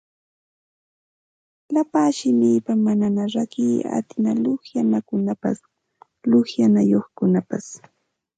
Llapa simipa manaña rakiy atina luqyanakunapas luqyanayuqkunapas